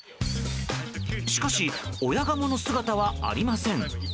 しかし親ガモの姿はありません。